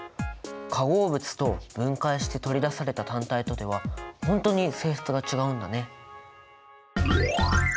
化合物と分解して取り出された単体とでは本当に性質が違うんだね。